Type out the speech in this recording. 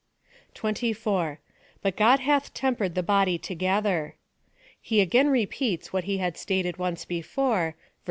^ 24. But God hath tempered the body together. He again repeats, what he had stated once before, (ver.